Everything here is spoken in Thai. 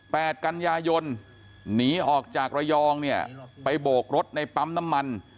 กันยายนหนีออกจากระยองเนี่ยไปโบกรถในปั๊มน้ำมัน